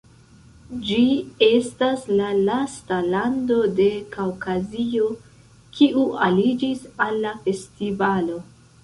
Ĝi estas la lasta lando de Kaŭkazio kiu aliĝis al la festivalo.